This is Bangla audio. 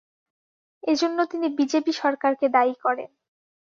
এ জন্য তিনি বিজেপি সরকারকে দায়ী করেন।